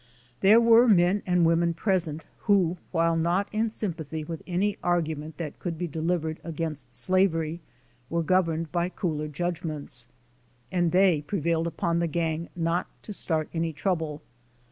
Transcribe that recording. There were men and women present, who, while not in sympathy with any argument that could be delivered against slavery, were governed by cooler judgments, and they pre vailed upon the gang not to start any trouble.